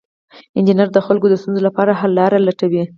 انجینر د خلکو د ستونزو لپاره حل لارې لټوي.